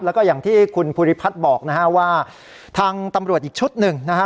แล้วก็อย่างที่คุณภูริพัฒน์บอกนะฮะว่าทางตำรวจอีกชุดหนึ่งนะฮะ